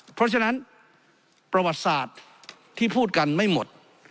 เพราะฉะนั้นประวัติศาสตร์ที่พูดกันไม่หมด